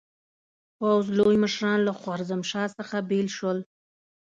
پوځ لوی مشران له خوارزمشاه څخه بېل شول.